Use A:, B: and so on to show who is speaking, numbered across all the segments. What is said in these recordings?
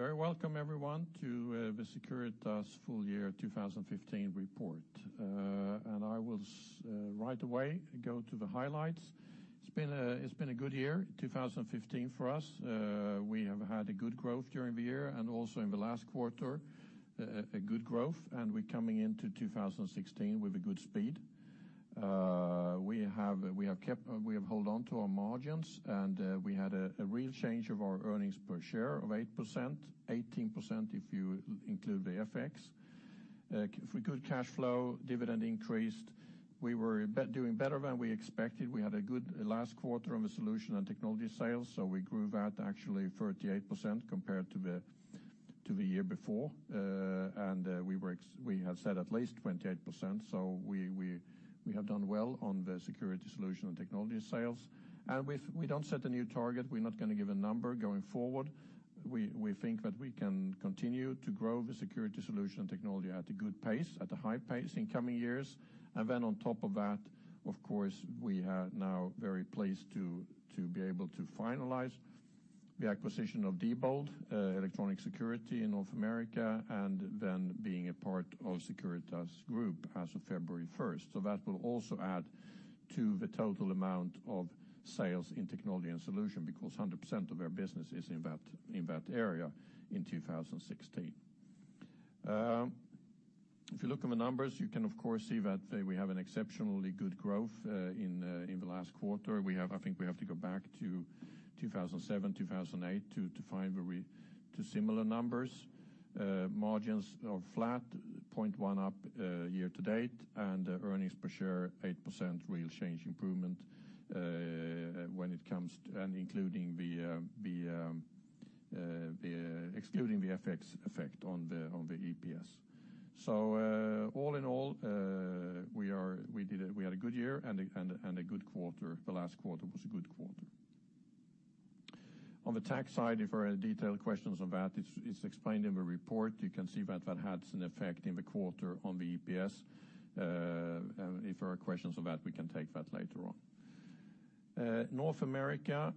A: Very welcome, everyone, to the Securitas Full Year 2015 report. I will right away go to the highlights. It's been a good year, 2015, for us. We have had a good growth during the year and also in the last quarter, a good growth, and we're coming into 2016 with a good speed. We have held on to our margins, and we had a real change of our earnings per share of 8%, 18% if you include the FX. Good cash flow, dividend increased. We were doing better than we expected. We had a good last quarter on the solution and technology sales, so we grew that to actually 38% compared to the year before. We had said at least 28%, so we have done well on the security solution and technology sales. We don't set a new target. We're not going to give a number going forward. We think that we can continue to grow the Security Solution and Technology at a good pace, at a high pace, in coming years. And then on top of that, of course, we are now very pleased to be able to finalize the acquisition of Diebold Electronic Security in North America, and then being a part of Securitas Group as of February 1st. So that will also add to the total amount of sales in technology and solution because 100% of our business is in that area in 2016. If you look at the numbers, you can, of course, see that we have an exceptionally good growth in the last quarter. I think we have to go back to 2007, 2008 to find similar numbers. Margins are flat, 0.1 up year to date, and earnings per share 8% real change improvement when it comes to excluding the FX effect on the EPS. So all in all, we had a good year and a good quarter. The last quarter was a good quarter. On the tax side, if there are detailed questions on that, it's explained in the report. You can see that that had an effect in the quarter on the EPS. And if there are questions on that, we can take that later on. North America,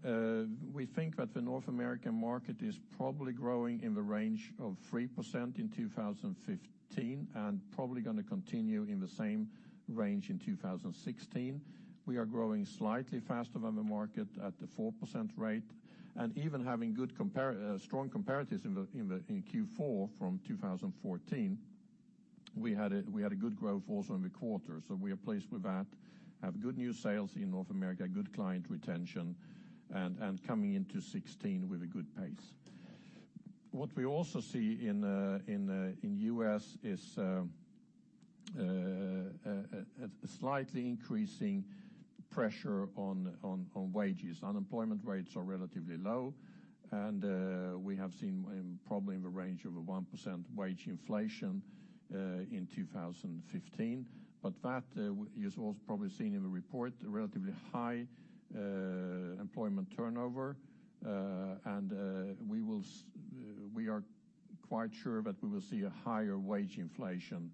A: we think that the North American market is probably growing in the range of 3% in 2015 and probably going to continue in the same range in 2016. We are growing slightly faster than the market at the 4% rate. And even having strong comparatives in Q4 from 2014, we had a good growth also in the quarter. So we are pleased with that, have good new sales in North America, good client retention, and coming into 2016 with a good pace. What we also see in the U.S. is a slightly increasing pressure on wages. Unemployment rates are relatively low, and we have seen probably in the range of a 1% wage inflation in 2015. But that is also probably seen in the report, relatively high employment turnover. And we are quite sure that we will see a higher wage inflation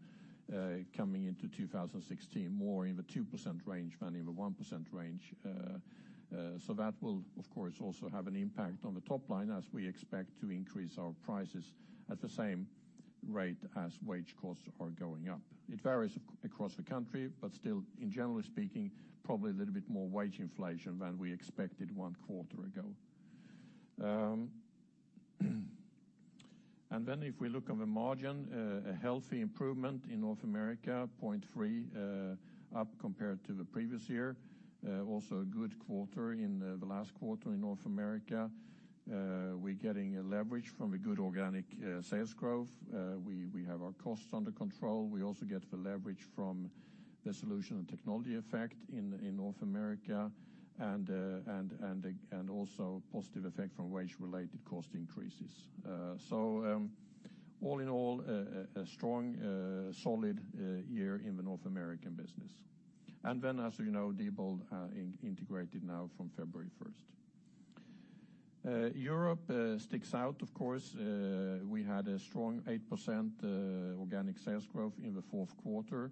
A: coming into 2016, more in the 2% range than in the 1% range. So that will, of course, also have an impact on the top line as we expect to increase our prices at the same rate as wage costs are going up. It varies across the country, but still, generally speaking, probably a little bit more wage inflation than we expected one quarter ago. And then, if we look at the margin, a healthy improvement in North America, 0.3 up compared to the previous year. Also a good quarter in the last quarter in North America. We're getting leverage from a good organic sales growth. We have our costs under control. We also get the leverage from the solution and technology effect in North America and also positive effect from wage-related cost increases. So all in all, a strong, solid year in the North American business. And then, as you know, Diebold integrated now from February 1st. Europe sticks out, of course. We had a strong 8% organic sales growth in the fourth quarter.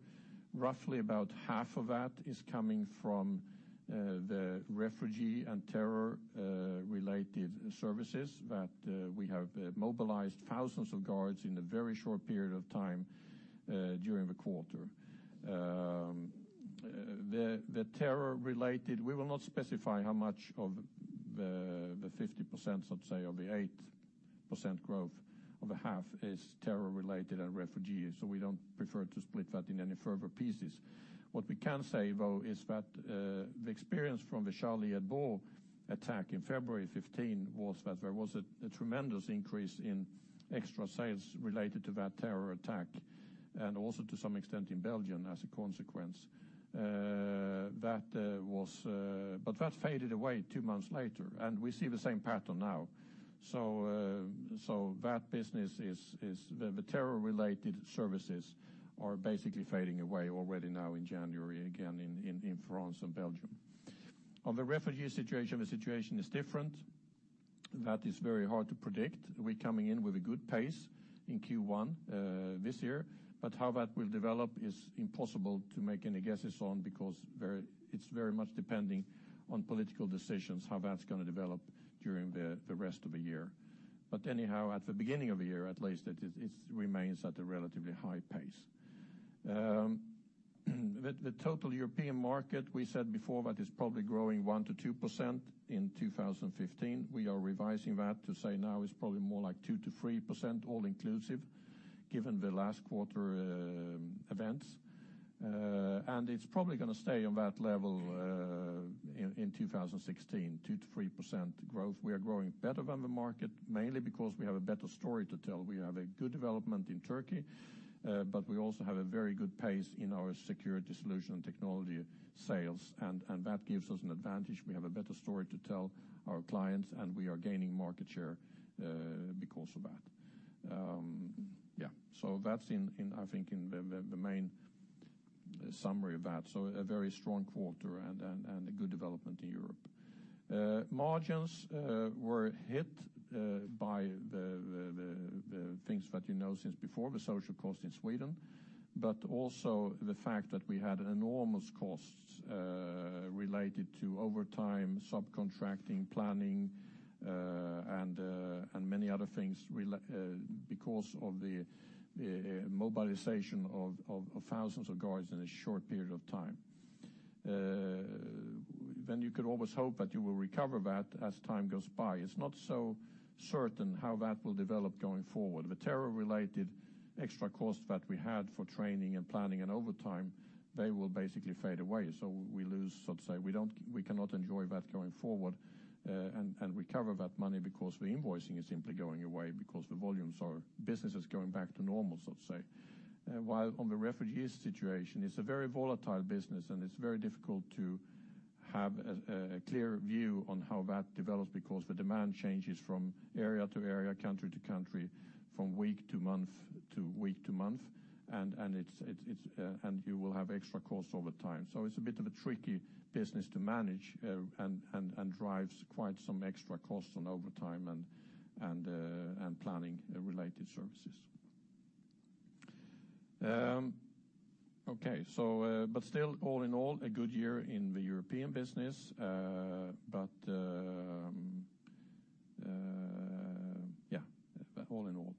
A: Roughly about half of that is coming from the refugee and terror-related services that we have mobilized thousands of guards in a very short period of time during the quarter. The terror-related, we will not specify how much of the 50%, let's say, of the 8% growth of the half is terror-related and refugee, so we don't prefer to split that in any further pieces. What we can say, though, is that the experience from the Charlie Hebdo attack in February 2015 was that there was a tremendous increase in extra sales related to that terror attack and also to some extent in Belgium as a consequence. But that faded away two months later, and we see the same pattern now. So that business, the terror-related services, are basically fading away already now in January, again in France and Belgium. On the refugee situation, the situation is different. That is very hard to predict. We're coming in with a good pace in Q1 this year, but how that will develop is impossible to make any guesses on because it's very much depending on political decisions how that's going to develop during the rest of the year. But anyhow, at the beginning of the year at least, it remains at a relatively high pace. The total European market, we said before that is probably growing 1%-2% in 2015. We are revising that to say now it's probably more like 2%-3% all inclusive, given the last quarter events. And it's probably going to stay on that level in 2016, 2%-3% growth. We are growing better than the market, mainly because we have a better story to tell. We have a good development in Turkey, but we also have a very good pace in our security solution and technology sales, and that gives us an advantage. We have a better story to tell our clients, and we are gaining market share because of that. Yeah, so that's, I think, the main summary of that. So a very strong quarter and a good development in Europe. Margins were hit by the things that you know since before, the social cost in Sweden, but also the fact that we had enormous costs related to overtime, subcontracting, planning, and many other things because of the mobilization of thousands of guards in a short period of time. Then you could always hope that you will recover that as time goes by. It's not so certain how that will develop going forward. The terror-related extra cost that we had for training and planning and overtime, they will basically fade away. So we lose, so to say we cannot enjoy that going forward and recover that money because the invoicing is simply going away because the volumes are businesses going back to normal, so to say. While on the refugee situation, it's a very volatile business, and it's very difficult to have a clear view on how that develops because the demand changes from area to area, country to country, from week to month to week to month, and you will have extra costs over time. So it's a bit of a tricky business to manage and drives quite some extra costs on overtime and planning-related services. Okay, but still, all in all, a good year in the European business. But yeah, all in all.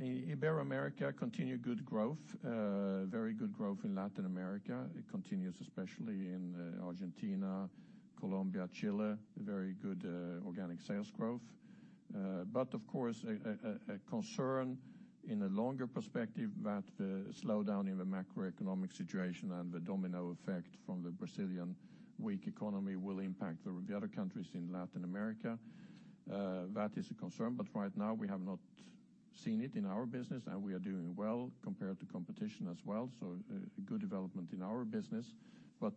A: Ibero-America continues good growth, very good growth in Latin America. It continues, especially in Argentina, Colombia, Chile, very good organic sales growth. But of course, a concern in a longer perspective that the slowdown in the macroeconomic situation and the domino effect from the Brazilian weak economy will impact the other countries in Latin America. That is a concern, but right now we have not seen it in our business, and we are doing well compared to competition as well. So good development in our business. But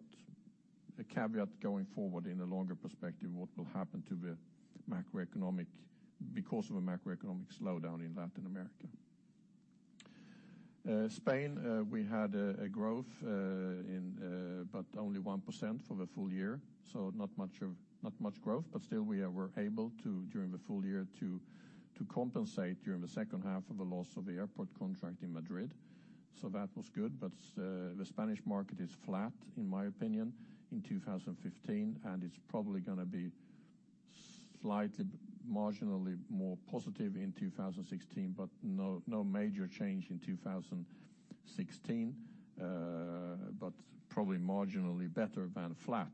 A: a caveat going forward in a longer perspective, what will happen to the macroeconomic because of a macroeconomic slowdown in Latin America. Spain, we had a growth but only 1% for the full year. So not much growth, but still we were able during the full year to compensate during the second half of the loss of the airport contract in Madrid. So that was good. But the Spanish market is flat, in my opinion, in 2015, and it's probably going to be slightly, marginally more positive in 2016, but no major change in 2016, but probably marginally better than flat,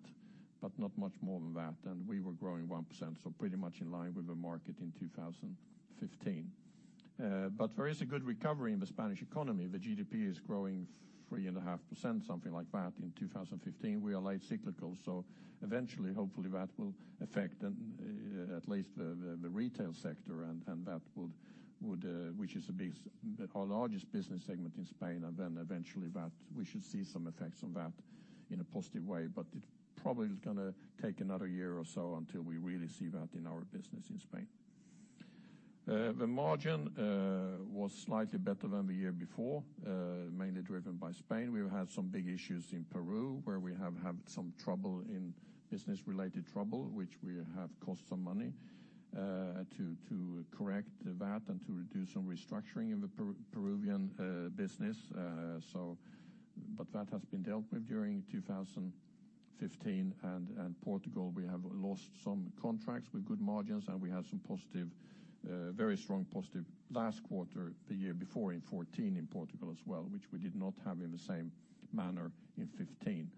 A: but not much more than that. And we were growing 1%, so pretty much in line with the market in 2015. But there is a good recovery in the Spanish economy. The GDP is growing 3.5%, something like that, in 2015. We are late cyclical, so eventually, hopefully, that will affect at least the retail sector, which is our largest business segment in Spain. And then eventually, we should see some effects on that in a positive way, but it probably is going to take another year or so until we really see that in our business in Spain. The margin was slightly better than the year before, mainly driven by Spain. We've had some big issues in Peru where we have had some business-related trouble, which have cost some money to correct that and to do some restructuring in the Peruvian business. But that has been dealt with during 2015. And Portugal, we have lost some contracts with good margins, and we had some very strong positive last quarter, the year before, in 2014 in Portugal as well, which we did not have in the same manner in 2015.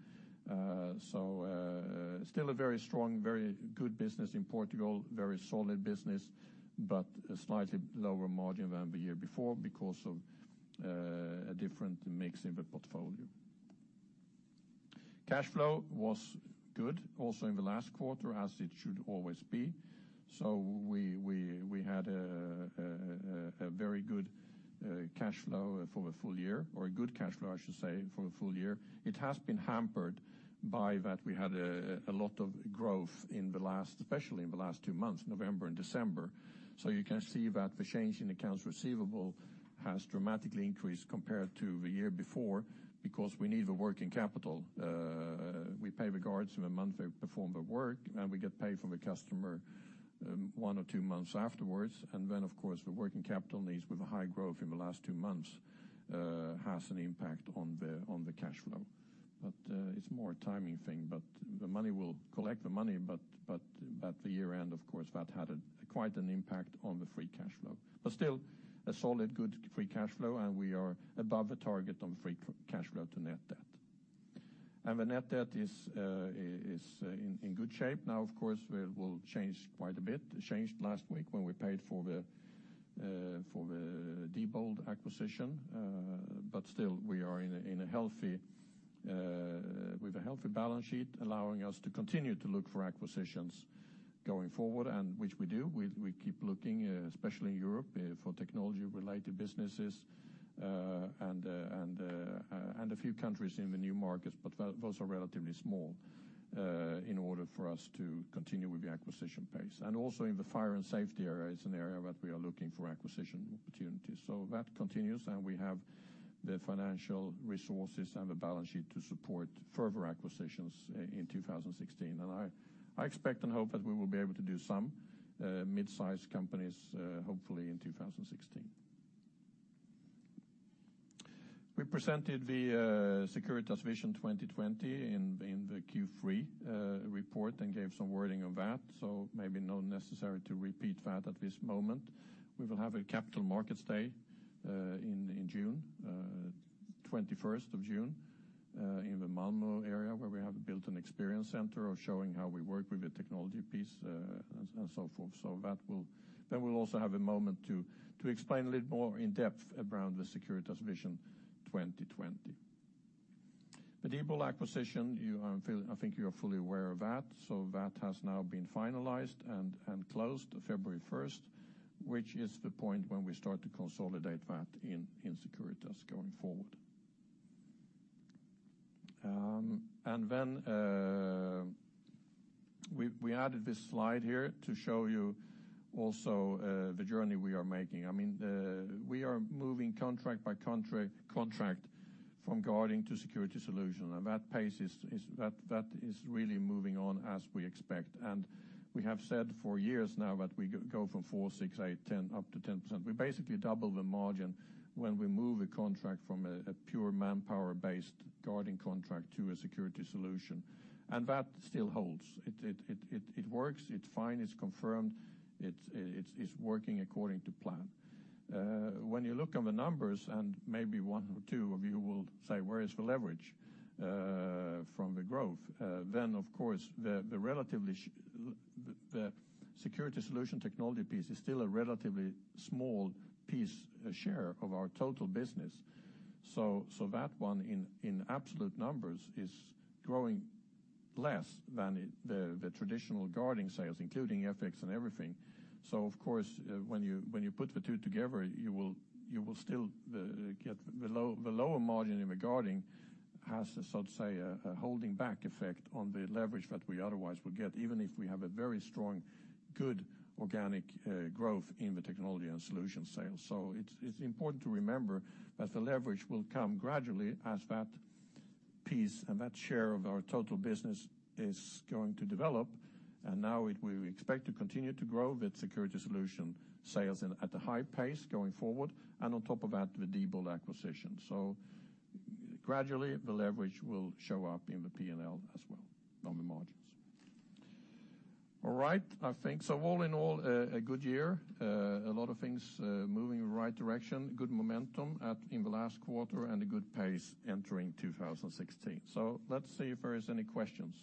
A: So still a very strong, very good business in Portugal, very solid business, but slightly lower margin than the year before because of a different mix in the portfolio. Cash flow was good also in the last quarter, as it should always be. So we had a very good cash flow for the full year, or a good cash flow, I should say, for the full year. It has been hampered by that we had a lot of growth, especially in the last two months, November and December. So you can see that the change in accounts receivable has dramatically increased compared to the year before because we need the working capital. We pay the guards in a month, they perform the work, and we get paid from the customer one or two months afterwards. And then, of course, the working capital needs with a high growth in the last two months has an impact on the cash flow. But it's more a timing thing. But the money will collect the money, but at the year-end, of course, that had quite an impact on the free cash flow. Still, a solid, good free cash flow, and we are above the target on free cash flow to net debt. The net debt is in good shape. Now, of course, it will change quite a bit. It changed last week when we paid for the Diebold acquisition. Still, we are with a healthy balance sheet allowing us to continue to look for acquisitions going forward, which we do. We keep looking, especially in Europe, for technology-related businesses and a few countries in the new markets, but those are relatively small in order for us to continue with the acquisition pace. Also in the fire and safety area, it's an area that we are looking for acquisition opportunities. That continues, and we have the financial resources and the balance sheet to support further acquisitions in 2016. I expect and hope that we will be able to do some mid-size companies, hopefully, in 2016. We presented the Securitas Vision 2020 in the Q3 report and gave some wording on that, so maybe not necessary to repeat that at this moment. We will have a Capital Markets Day in June, 21st of June, in the Malmö area where we have built an experience center showing how we work with the technology piece and so forth. So then we'll also have a moment to explain a little more in-depth around the Securitas Vision 2020. The Diebold acquisition, I think you're fully aware of that. So that has now been finalized and closed February 1st, which is the point when we start to consolidate that in Securitas going forward. And then we added this slide here to show you also the journey we are making. I mean, we are moving contract by contract from guarding to security solution, and that pace is really moving on as we expect. We have said for years now that we go from 4, 6, 8, 10 up to 10%. We basically double the margin when we move a contract from a pure manpower-based guarding contract to a security solution. That still holds. It works. It's fine. It's confirmed. It's working according to plan. When you look at the numbers, and maybe one or two of you will say, "Where is the leverage from the growth?" Of course, the security solution technology piece is still a relatively small piece share of our total business. So that one, in absolute numbers, is growing less than the traditional guarding sales, including FX and everything. So, of course, when you put the two together, you will still get the lower margin in the guarding has, so to say, a holding back effect on the leverage that we otherwise would get, even if we have a very strong, good organic growth in the technology and solution sales. So it's important to remember that the leverage will come gradually as that piece and that share of our total business is going to develop. And now we expect to continue to grow with security solution sales at a high pace going forward, and on top of that, the Diebold acquisition. So gradually, the leverage will show up in the P&L as well on the margins. All right, I think. So all in all, a good year, a lot of things moving in the right direction, good momentum in the last quarter, and a good pace entering 2016. So let's see if there are any questions.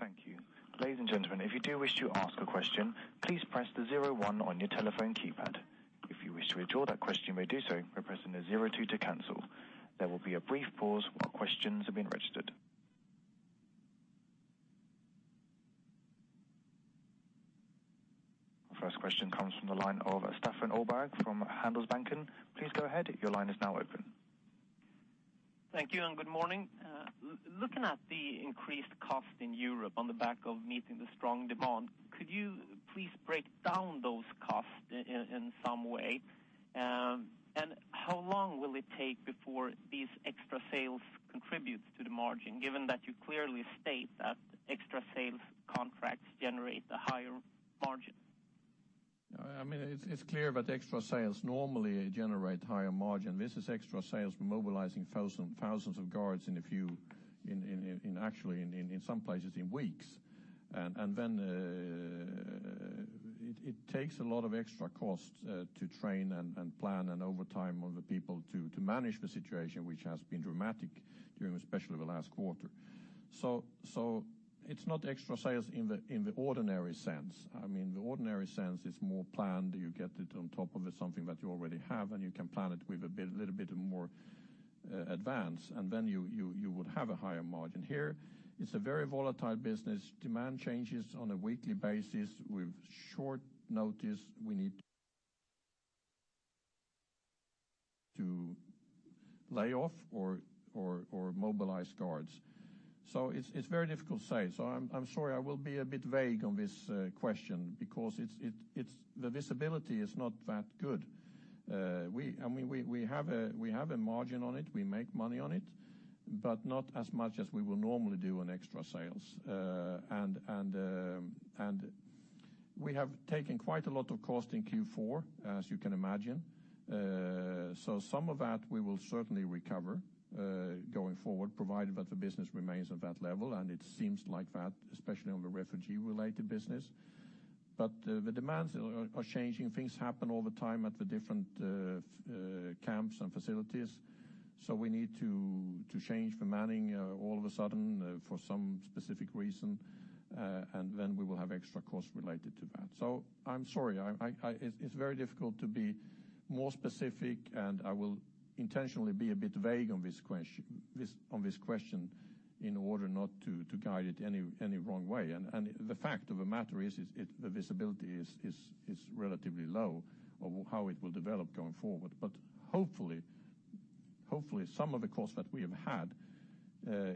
A: Thank you. Ladies and gentlemen, if you do wish to ask a question, please press the 01 on your telephone keypad. If you wish to withdraw that question, you may do so by pressing the 02 to cancel. There will be a brief pause while questions are being registered. First question comes from the line of Stefan Pålsson from Handelsbanken. Please go ahead. Your line is now open.
B: Thank you and good morning. Looking at the increased cost in Europe on the back of meeting the strong demand, could you please break down those costs in some way? And how long will it take before these extra sales contribute to the margin, given that you clearly state that extra sales contracts generate a higher margin?
C: I mean, it's clear that extra sales normally generate higher margin. This is extra sales mobilizing thousands of guards in a few actually, in some places, in weeks. And then it takes a lot of extra cost to train and plan and overtime on the people to manage the situation, which has been dramatic, especially the last quarter. So it's not extra sales in the ordinary sense. I mean, the ordinary sense, it's more planned. You get it on top of something that you already have, and you can plan it with a little bit more advance, and then you would have a higher margin. Here, it's a very volatile business. Demand changes on a weekly basis. With short notice, we need to lay off or mobilize guards. So it's very difficult to say. So I'm sorry, I will be a bit vague on this question because the visibility is not that good. I mean, we have a margin on it. We make money on it, but not as much as we will normally do on extra sales. We have taken quite a lot of cost in Q4, as you can imagine. Some of that we will certainly recover going forward, provided that the business remains at that level, and it seems like that, especially on the refugee-related business. But the demands are changing. Things happen all the time at the different camps and facilities. We need to change the manning all of a sudden for some specific reason, and then we will have extra costs related to that. So I'm sorry. It's very difficult to be more specific, and I will intentionally be a bit vague on this question in order not to guide it any wrong way. The fact of the matter is the visibility is relatively low of how it will develop going forward. Hopefully, some of the costs that we have had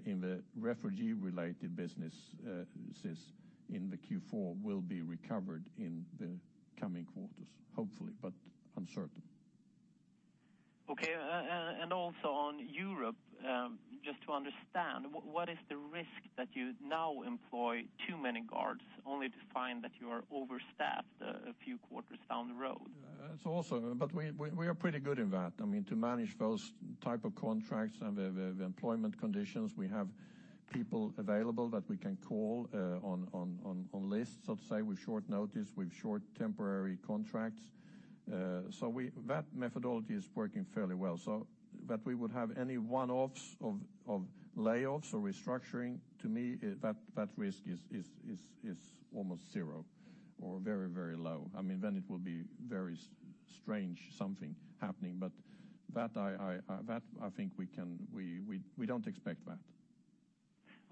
C: in the refugee-related businesses in the Q4 will be recovered in the coming quarters, hopefully, but uncertain.
B: Okay. And also on Europe, just to understand, what is the risk that you now employ too many guards only to find that you are overstaffed a few quarters down the road?
C: It's also, but we are pretty good in that. I mean, to manage those type of contracts and the employment conditions, we have people available that we can call on lists, so to say, with short notice, with short temporary contracts. So that methodology is working fairly well. So that we would have any one-offs of layoffs or restructuring, to me, that risk is almost zero or very, very low. I mean, then it will be very strange something happening. But that, I think, we don't expect that.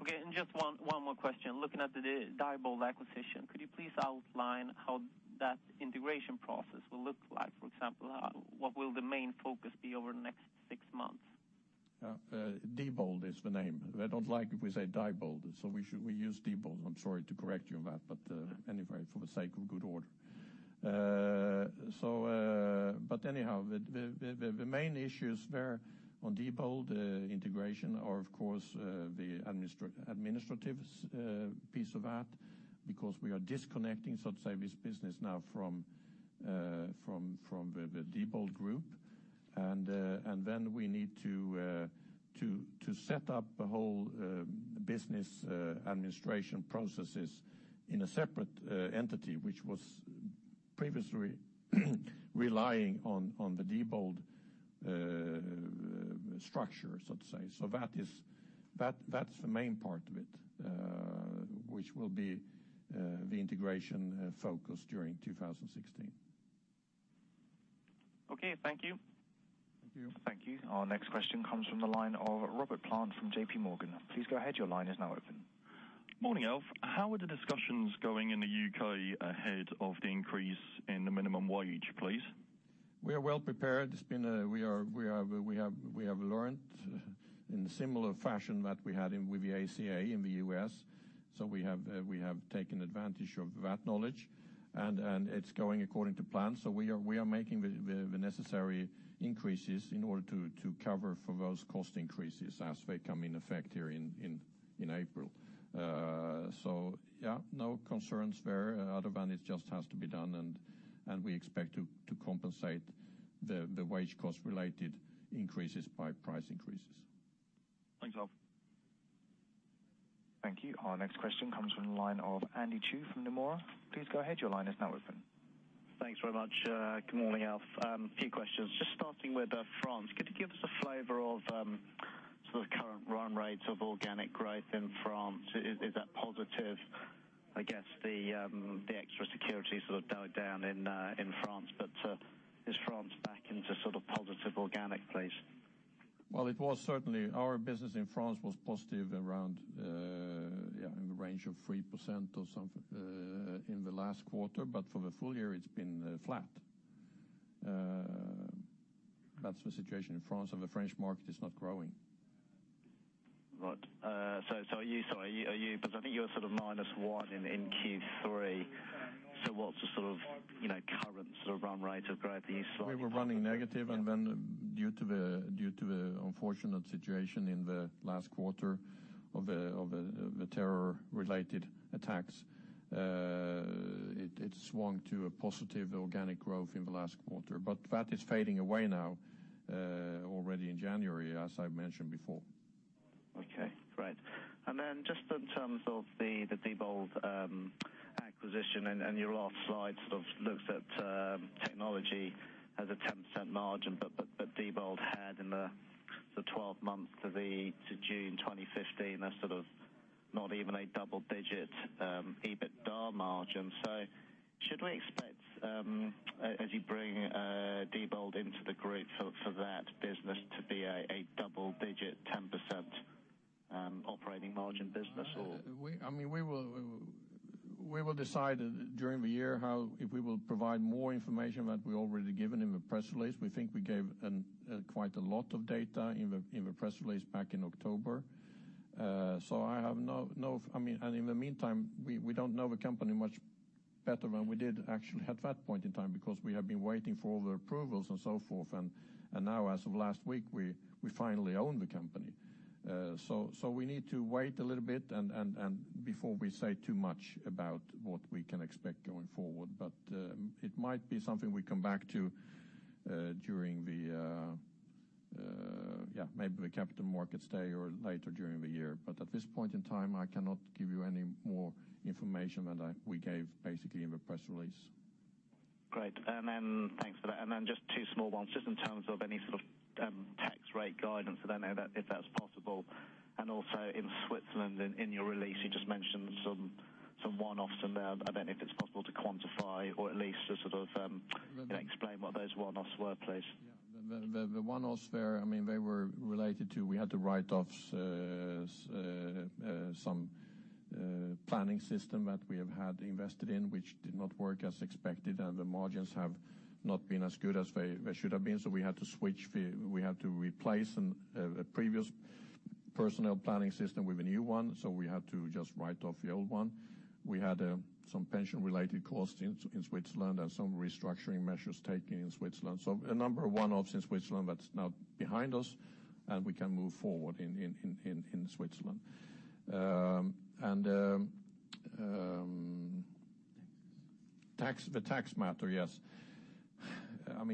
B: Okay. Just one more question. Looking at the Diebold acquisition, could you please outline how that integration process will look like? For example, what will the main focus be over the next six months?
C: Diebold is the name. They don't like if we say Diebold, so we use Diebold. I'm sorry to correct you on that, but anyway, for the sake of good order. But anyhow, the main issues there on Diebold integration are, of course, the administrative piece of that because we are disconnecting, so to say, this business now from the Diebold group. And then we need to set up a whole business administration processes in a separate entity, which was previously relying on the Diebold structure, so to say. So that's the main part of it, which will be the integration focus during 2016.
B: Okay. Thank you.
C: Thank you.
D: Thank you. Our next question comes from the line of Robert Plant from J.P. Morgan. Please go ahead. Your line is now open.
E: Morning, Alf. How are the discussions going in the UK ahead of the increase in the minimum wage, please?
C: We are well prepared. We have learned in the similar fashion that we had with the ACA in the U.S. So we have taken advantage of that knowledge, and it's going according to plan. So we are making the necessary increases in order to cover for those cost increases as they come in effect here in April. So yeah, no concerns there, other than it just has to be done, and we expect to compensate the wage cost-related increases by price increases.
E: Thanks, Alf.
D: Thank you. Our next question comes from the line of Andy Chu from Nomura. Please go ahead. Your line is now open.
F: Thanks very much. Good morning, Alf. Few questions. Just starting with France, could you give us a flavor of sort of current run rates of organic growth in France? Is that positive? I guess the extra security sort of died down in France, but is France back into sort of positive organic, please?
C: Well, it was certainly. Our business in France was positive around, yeah, in the range of 3% or something in the last quarter. But for the full year, it's been flat. That's the situation in France. The French market is not growing.
F: Right. So are you seeing? Because I think you were sort of -1 in Q3. So what's the sort of current sort of run rate of growth? Are you slightly?
C: We were running negative, and then due to the unfortunate situation in the last quarter of the terror-related attacks, it swung to a positive organic growth in the last quarter. But that is fading away now already in January, as I mentioned before.
E: Okay. Great. And then just in terms of the Diebold acquisition, and your last slide sort of looks at technology as a 10% margin, but Diebold had in the 12 months to June 2015 a sort of not even a double-digit EBITDA margin. So should we expect, as you bring Diebold into the group, for that business to be a double-digit 10% operating margin business, or?
C: I mean, we will decide during the year if we will provide more information that we already given in the press release. We think we gave quite a lot of data in the press release back in October. So, I mean, in the meantime, we don't know the company much better than we did actually at that point in time because we have been waiting for all the approvals and so forth. And now, as of last week, we finally own the company. So we need to wait a little bit before we say too much about what we can expect going forward. But it might be something we come back to during, yeah, maybe the Capital Markets Day or later during the year. But at this point in time, I cannot give you any more information than we gave basically in the press release.
E: Great. Thanks for that. Just two small ones, just in terms of any sort of tax rate guidance. I don't know if that's possible. Also in Switzerland, in your release, you just mentioned some one-offs in there. I don't know if it's possible to quantify or at least sort of explain what those one-offs were, please.
C: Yeah. The one-offs there, I mean, they were related to we had to write off some planning system that we have had invested in, which did not work as expected, and the margins have not been as good as they should have been. So we had to switch we had to replace a previous personnel planning system with a new one. So we had to just write off the old one. We had some pension-related costs in Switzerland and some restructuring measures taken in Switzerland. So a number of one-offs in Switzerland that's now behind us, and we can move forward in Switzerland. And the tax matter, yes. I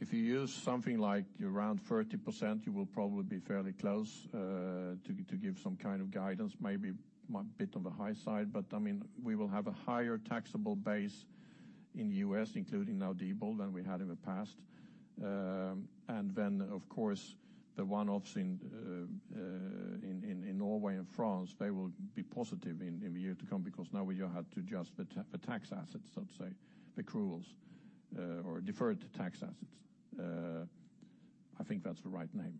C: mean, if you use something like around 30%, you will probably be fairly close to give some kind of guidance, maybe a bit on the high side. But I mean, we will have a higher taxable base in the US, including now Diebold, than we had in the past. And then, of course, the one-offs in Norway and France, they will be positive in the year to come because now we just had to adjust the tax assets, so to say, the credits or deferred tax assets. I think that's the right name.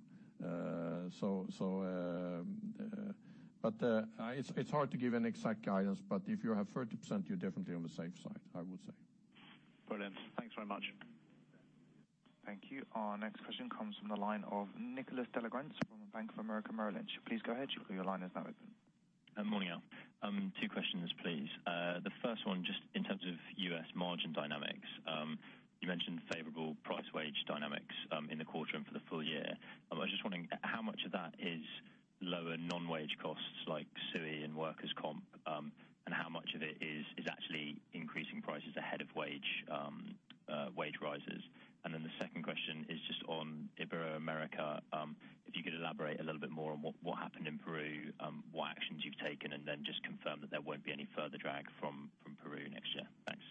C: But it's hard to give an exact guidance. But if you have 30%, you're definitely on the safe side, I would say.
E: Brilliant. Thanks very much.
D: Thank you. Our next question comes from the line of Nicolas de la Grense from Bank of America Merrill Lynch. Please go ahead. Your line is now open. Morning, Alf. Two questions, please. The first one, just in terms of U.S. margin dynamics. You mentioned favorable price-wage dynamics in the quarter and for the full year. I was just wondering, how much of that is lower non-wage costs like ACA and workers' comp, and how much of it is actually increasing prices ahead of wage rises? And then the second question is just on Ibero-America. If you could elaborate a little bit more on what happened in Peru, what actions you've taken, and then just confirm that there won't be any further drag from Peru next year. Thanks.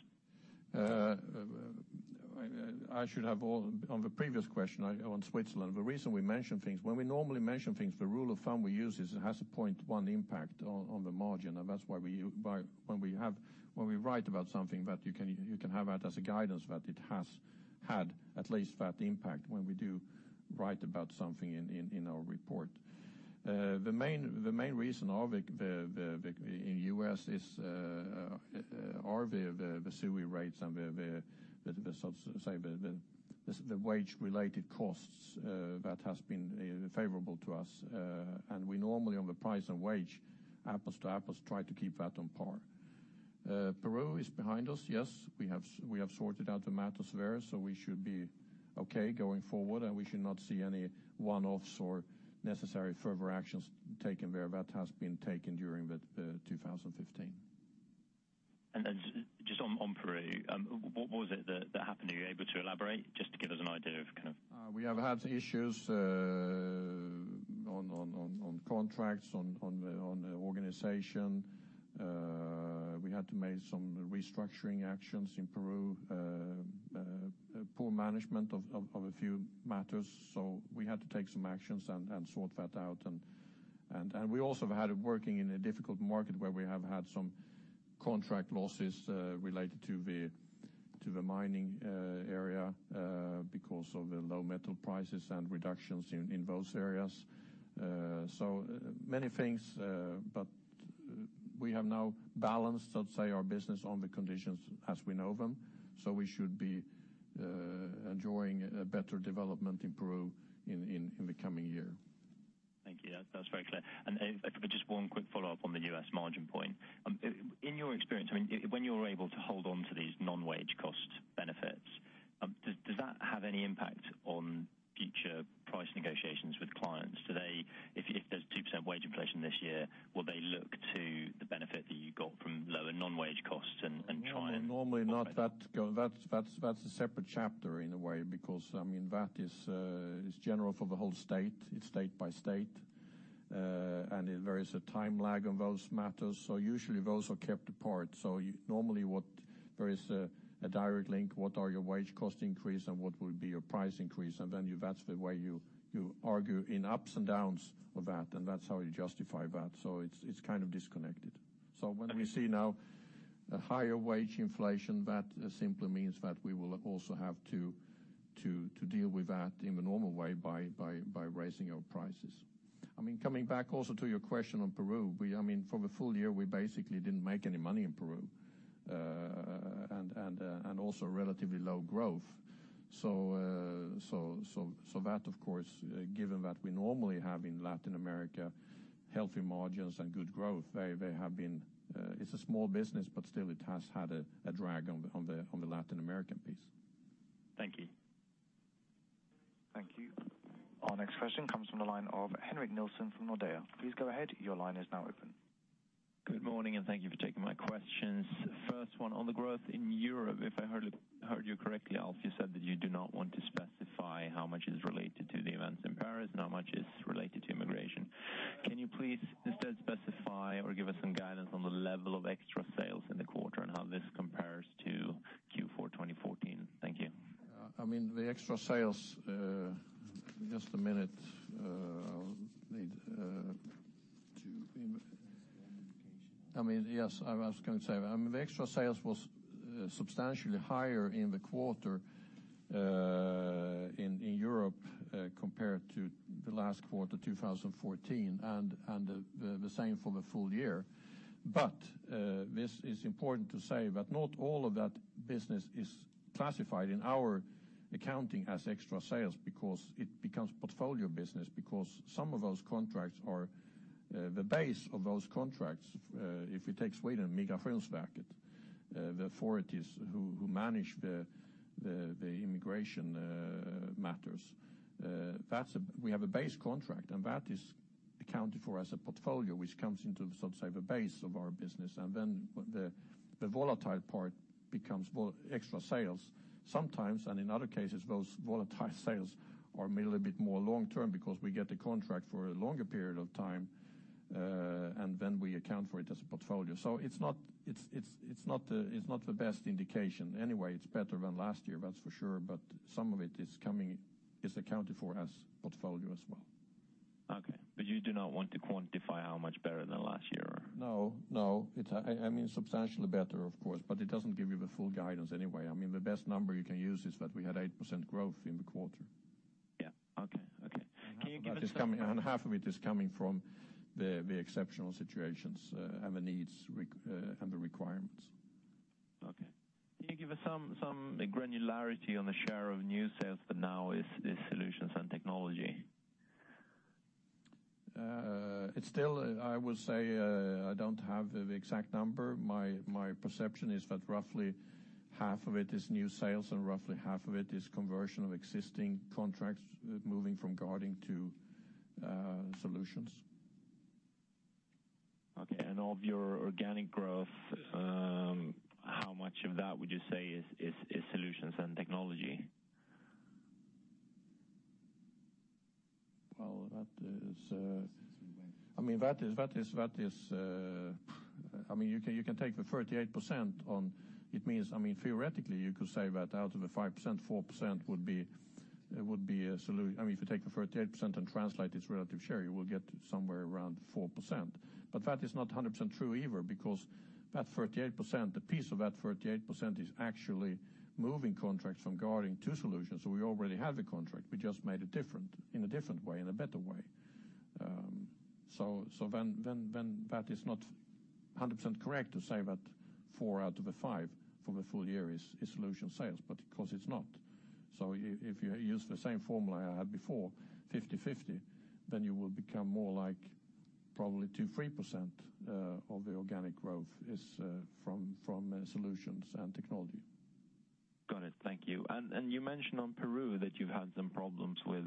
C: I should have on the previous question on Switzerland. The reason we mention things when we normally mention things, the rule of thumb we use is it has a 0.1 impact on the margin. And that's why when we write about something that you can have that as a guidance that it has had at least that impact when we do write about something in our report. The main reason in the U.S. is the ACA rates and, so to say, the wage-related costs that have been favorable to us. And we normally, on the price and wage, apples to apples, try to keep that on par. Peru is behind us. Yes, we have sorted out the matters there, so we should be okay going forward, and we should not see any one-offs or necessary further actions taken where that has been taken during 2015. Just on Peru, what was it that happened? Are you able to elaborate just to give us an idea of kind of?
F: We have had issues on contracts, on the organization. We had to make some restructuring actions in Peru, poor management of a few matters. So we had to take some actions and sort that out. And we also had it working in a difficult market where we have had some contract losses related to the mining area because of the low metal prices and reductions in those areas. So many things. But we have now balanced, so to say, our business on the conditions as we know them. So we should be enjoying a better development in Peru in the coming year. Thank you. That's very clear. And just one quick follow-up on the U.S. margin point. In your experience, I mean, when you're able to hold onto these non-wage cost benefits, does that have any impact on future price negotiations with clients? If there's 2% wage inflation this year, will they look to the benefit that you got from lower non-wage costs and try and?
C: Normally, not. That's a separate chapter in a way because, I mean, that is general for the whole state. It's state by state. And there is a time lag on those matters. So usually, those are kept apart. So normally, there is a direct link, what are your wage cost increase and what will be your price increase? And then that's the way you argue in ups and downs of that, and that's how you justify that. So it's kind of disconnected. So when we see now a higher wage inflation, that simply means that we will also have to deal with that in the normal way by raising our prices. I mean, coming back also to your question on Peru, I mean, for the full year, we basically didn't make any money in Peru and also relatively low growth. That, of course, given that we normally have in Latin America healthy margins and good growth, they have been. It's a small business, but still, it has had a drag on the Latin American piece. Thank you.
D: Thank you. Our next question comes from the line of Henrik Niléhn from Nordea. Please go ahead. Your line is now open.
G: Good morning, and thank you for taking my questions. First one, on the growth in Europe. If I heard you correctly, Alf, you said that you do not want to specify how much is related to the events in Paris and how much is related to immigration. Can you please instead specify or give us some guidance on the level of extra sales in the quarter and how this compares to Q4 2014? Thank you.
C: I mean, the extra sales just a minute. I mean, yes, I was going to say that. I mean, the extra sales was substantially higher in the quarter in Europe compared to the last quarter, 2014, and the same for the full year. But this is important to say that not all of that business is classified in our accounting as extra sales because it becomes portfolio business because some of those contracts are the base of those contracts. If we take Sweden, Migrationsverket, the authorities who manage the immigration matters, we have a base contract, and that is accounted for as a portfolio, which comes into, so to say, the base of our business. And then the volatile part becomes extra sales. Sometimes, and in other cases, those volatile sales are a little bit more long-term because we get the contract for a longer period of time, and then we account for it as a portfolio. So it's not the best indication. Anyway, it's better than last year, that's for sure. But some of it is accounted for as portfolio as well.
G: Okay. But you do not want to quantify how much better than last year, or?
C: No, no. I mean, substantially better, of course, but it doesn't give you the full guidance anyway. I mean, the best number you can use is that we had 8% growth in the quarter.
G: Yeah. Okay. Okay. Can you give us?
C: Half of it is coming from the exceptional situations and the needs and the requirements.
G: Okay. Can you give us some granularity on the share of new sales that now is solutions and technology?
C: I would say I don't have the exact number. My perception is that roughly half of it is new sales, and roughly half of it is conversion of existing contracts moving from guarding to solutions.
G: Okay. And of your organic growth, how much of that would you say is solutions and technology?
C: Well, I mean, you can take the 38% on it means, I mean, theoretically, you could say that out of the 5%, 4% would be a solution. I mean, if you take the 38% and translate its relative share, you will get somewhere around 4%. But that is not 100% true either because that 38%, the piece of that 38%, is actually moving contracts from guarding to solutions. So we already have a contract. We just made it in a different way, in a better way. So then that is not 100% correct to say that 4 out of the 5 for the full year is solution sales, because it's not. So if you use the same formula I had before, 50/50, then you will become more like probably 2%-3% of the organic growth is from solutions and technology.
G: Got it. Thank you. You mentioned on Peru that you've had some problems with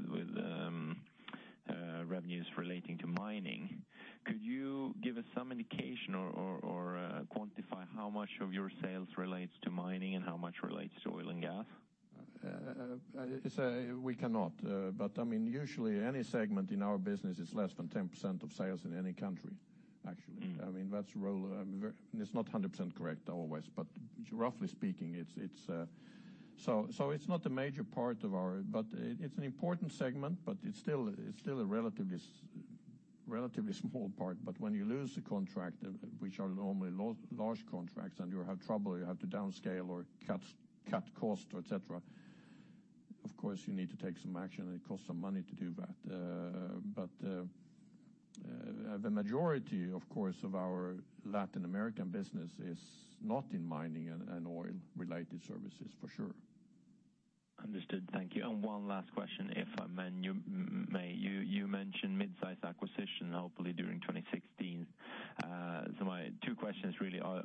G: revenues relating to mining. Could you give us some indication or quantify how much of your sales relates to mining and how much relates to oil and gas?
C: We cannot. But I mean, usually, any segment in our business is less than 10% of sales in any country, actually. I mean, that's the rule and it's not 100% correct always, but roughly speaking, it's so it's not a major part of our business but it's an important segment, but it's still a relatively small part. But when you lose a contract, which are normally large contracts, and you have trouble, you have to downscale or cut cost, etc., of course, you need to take some action, and it costs some money to do that. But the majority, of course, of our Latin American business is not in mining and oil-related services, for sure.
G: Understood. Thank you. One last question, if I may. You mentioned midsize acquisition, hopefully, during 2016. My two questions, really, are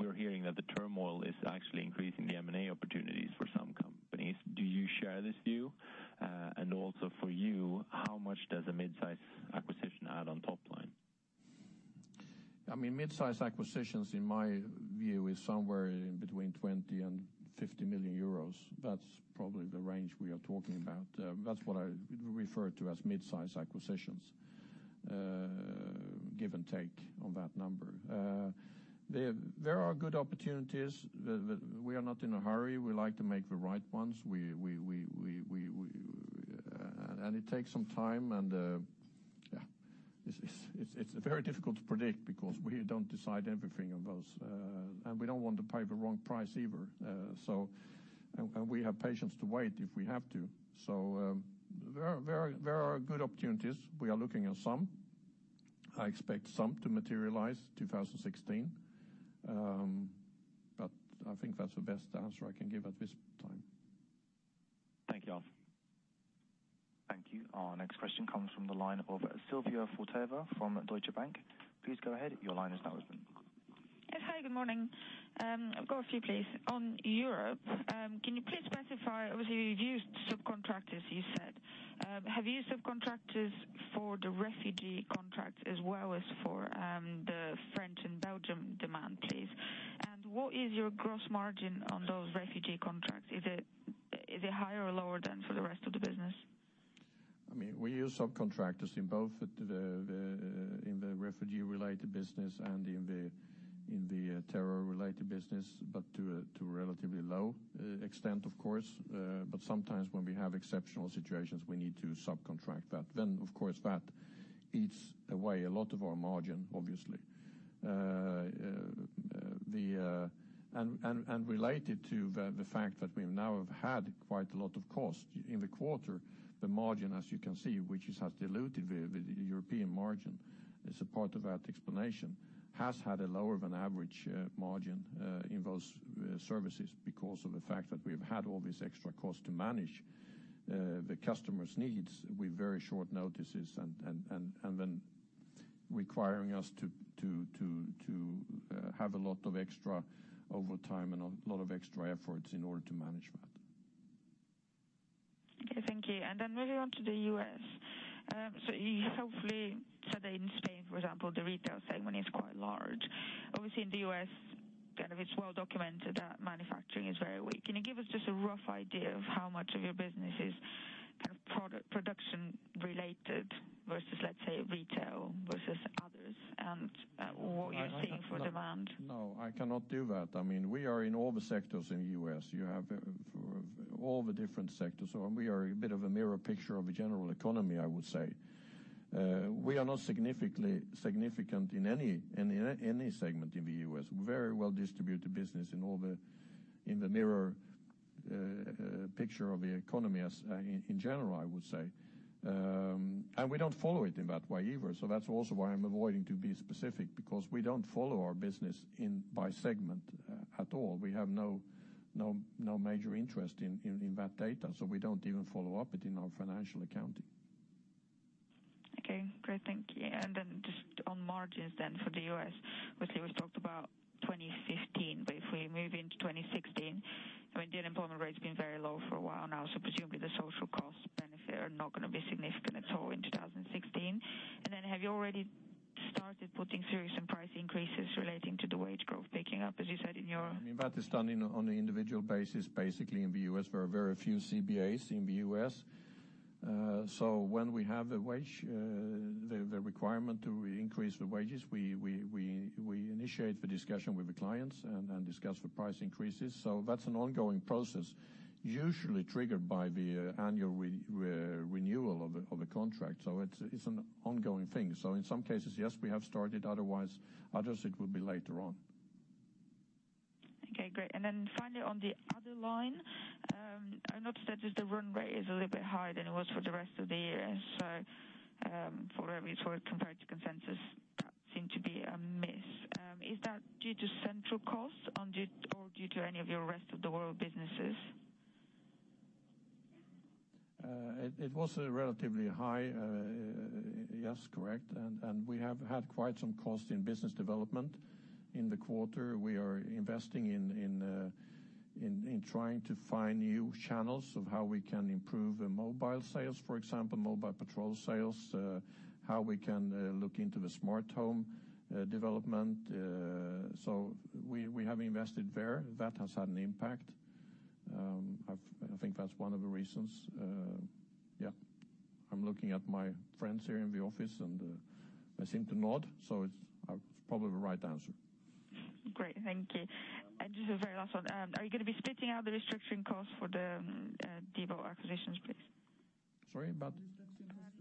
G: we're hearing that the turmoil is actually increasing the M&A opportunities for some companies. Do you share this view? And also for you, how much does a midsize acquisition add on topline?
C: I mean, midsize acquisitions, in my view, is somewhere in between 20 million and 50 million euros. That's probably the range we are talking about. That's what I refer to as midsize acquisitions, give and take on that number. There are good opportunities. We are not in a hurry. We like to make the right ones. It takes some time. Yeah, it's very difficult to predict because we don't decide everything on those. We don't want to pay the wrong price either. We have patience to wait if we have to. So there are good opportunities. We are looking at some. I expect some to materialize 2016. But I think that's the best answer I can give at this time.
G: Thank you, Alf.
D: Thank you. Our next question comes from the line of Sylvia Barker from Deutsche Bank. Please go ahead. Your line is now open.
H: Yes. Hi. Good morning. I've got a few, please. On Europe, can you please specify? Obviously, you've used subcontractors, you said. Have you used subcontractors for the refugee contracts as well as for the French and Belgian demand, please? And what is your gross margin on those refugee contracts? Is it higher or lower than for the rest of the business?
C: I mean, we use subcontractors in both the refugee-related business and in the terror-related business, but to a relatively low extent, of course. But sometimes when we have exceptional situations, we need to subcontract that. Then, of course, that eats away a lot of our margin, obviously. And related to the fact that we now have had quite a lot of cost in the quarter, the margin, as you can see, which has diluted the European margin, is a part of that explanation, has had a lower-than-average margin in those services because of the fact that we have had all these extra costs to manage the customers' needs with very short notices and then requiring us to have a lot of extra overtime and a lot of extra efforts in order to manage that.
H: Okay. Thank you. Then moving on to the U.S. So you hopefully said that in Spain, for example, the retail segment is quite large. Obviously, in the U.S., kind of it's well documented that manufacturing is very weak. Can you give us just a rough idea of how much of your business is kind of production-related versus, let's say, retail versus others and what you're seeing for demand?
C: No, I cannot do that. I mean, we are in all the sectors in the U.S. You have all the different sectors. And we are a bit of a mirror picture of a general economy, I would say. We are not significant in any segment in the U.S. Very well-distributed business in all the mirror picture of the economy in general, I would say. And we don't follow it in that way either. So that's also why I'm avoiding to be specific because we don't follow our business by segment at all. We have no major interest in that data. So we don't even follow up it in our financial accounting.
H: Okay. Great. Thank you. And then just on margins then for the U.S., obviously, we've talked about 2015. But if we move into 2016, I mean, the unemployment rate's been very low for a while now. So presumably, the social cost benefit are not going to be significant at all in 2016. And then have you already started putting through some price increases relating to the wage growth picking up, as you said, in your?
C: I mean, that is done on an individual basis, basically, in the U.S. There are very few CBAs in the U.S. So when we have the requirement to increase the wages, we initiate the discussion with the clients and discuss the price increases. So that's an ongoing process, usually triggered by the annual renewal of a contract. So it's an ongoing thing. So in some cases, yes, we have started. Otherwise, others, it will be later on.
H: Okay. Great. And then finally, on the other line, I noticed that the run rate is a little bit higher than it was for the rest of the year. So for whatever it's worth, compared to consensus, that seemed to be a miss. Is that due to central costs or due to any of your rest of the world businesses?
C: It was relatively high. Yes, correct. We have had quite some cost in business development in the quarter. We are investing in trying to find new channels of how we can improve mobile sales, for example, mobile patrol sales, how we can look into the smart home development. We have invested there. That has had an impact. I think that's one of the reasons. Yeah. I'm looking at my friends here in the office, and they seem to nod. It's probably the right answer.
H: Great. Thank you. Just a very last one. Are you going to be splitting out the restructuring costs for the Diebold acquisitions, please?
C: Sorry? But.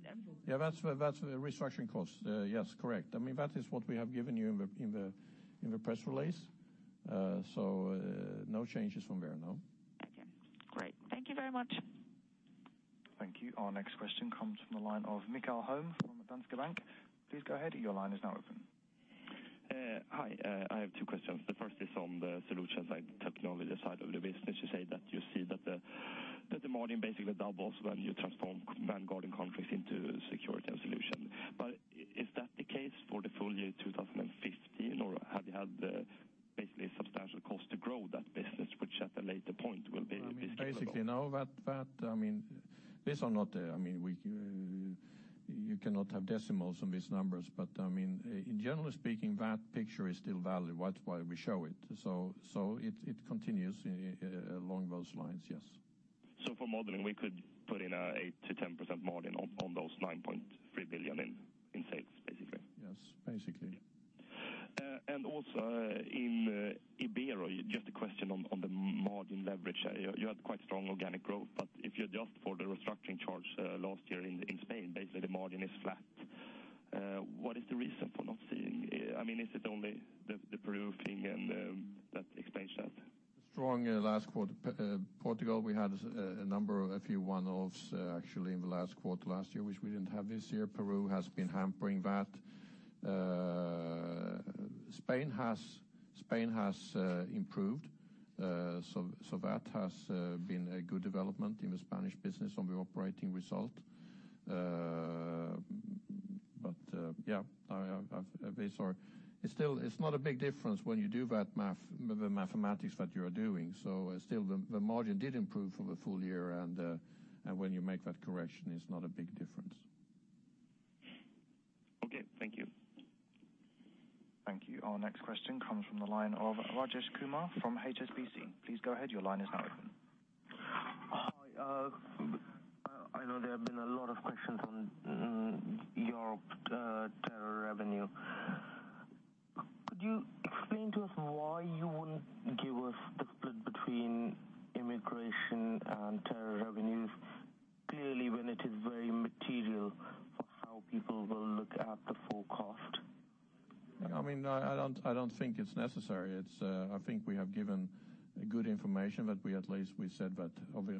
H: That's interesting.
C: Yeah, that's the restructuring costs. Yes, correct. I mean, that is what we have given you in the press release. So no changes from there, no.
H: Okay. Great. Thank you very much.
D: Thank you. Our next question comes from the line of Mikael Holm from Danske Bank. Please go ahead. Your line is now open.
I: Hi. I have two questions. The first is on the solutions and technology side of the business. You say that you see that the margin basically doubles when you transform guarding contracts into security and solution. But is that the case for the full year 2015, or have you had basically substantial costs to grow that business, which at a later point will be scalable?
C: I mean, basically, no. I mean, these are not the I mean, you cannot have decimals on these numbers. But I mean, generally speaking, that picture is still valid. That's why we show it. So it continues along those lines, yes.
I: For modeling, we could put in an 8%-10% margin on those 9.3 billion in sales, basically?
C: Yes, basically.
I: Also in Ibero, just a question on the margin leverage. You had quite strong organic growth. But if you adjust for the restructuring charge last year in Spain, basically, the margin is flat. What is the reason for not seeing—I mean, is it only the Peru thing that explains that?
C: Strong in the last quarter. Portugal, we had a number of a few one-offs actually in the last quarter last year, which we didn't have this year. Peru has been hampering that. Spain has improved. So that has been a good development in the Spanish business on the operating result. But yeah, these are it's not a big difference when you do the mathematics that you are doing. So still, the margin did improve for the full year. And when you make that correction, it's not a big difference.
I: Okay. Thank you.
D: Thank you. Our next question comes from the line of Rajesh Kumar from HSBC. Please go ahead. Your line is now open.
J: Hi. I know there have been a lot of questions on Europe terror revenue. Could you explain to us why you wouldn't give us the split between immigration and terror revenues clearly when it is very material for how people will look at the forecast?
C: I mean, I don't think it's necessary. I think we have given good information, but at least we said that